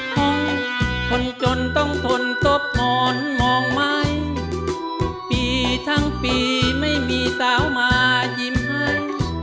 คงคนจนต้องทนตบหมอนมองไหมปีทั้งปีไม่มีสาวมายิ้มให้